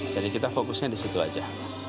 jadi kita fokusnya di situ aja